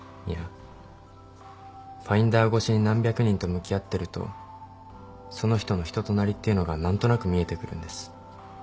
いやファインダー越しに何百人と向き合ってるとその人の人となりっていうのが何となく見えてくるんです。